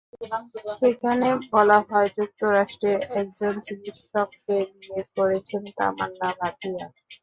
সেখানে বলা হয়, যুক্তরাষ্ট্রের একজন চিকিৎসককে বিয়ে করছেন তামান্না ভাটিয়া।